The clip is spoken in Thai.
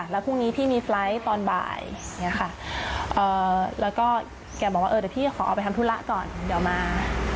แล้วก็แกบอกว่าเดี๋ยวพี่จะออกไปทำธุระก่อนเดี๋ยวมา